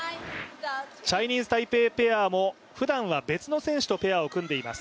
チャイニーズ・タイペイペアもふだんは別の選手とペアを組んでいます。